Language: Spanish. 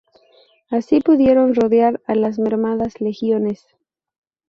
Así pudieron rodear a las mermadas legiones.